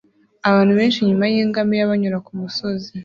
Abantu benshi inyuma yingamiya banyura kumusozi